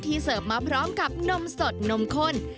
เสิร์ฟมาพร้อมกับนมสดนมข้น